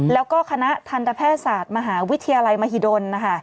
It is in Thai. แล้วก็คณะทันตแพทยศาสตร์มหาวิทยาลัยมหิดล